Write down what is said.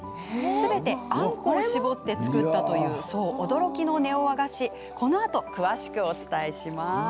すべて、あんこを絞って作ったという驚きのネオ和菓子も後ほど詳しくお伝えします。